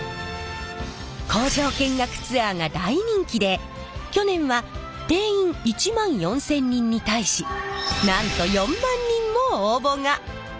工場見学ツアーが大人気で去年は定員１万４，０００人に対しなんと４万人も応募が！